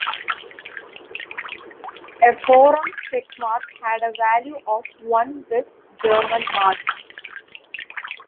A forum check mark had a value of one West German mark.